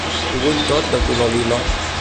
Ho vull tot de color lila